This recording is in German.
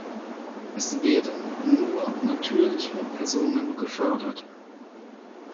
Es werden nur natürliche Personen gefördert.